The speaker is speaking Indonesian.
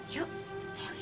yuk ikutin bu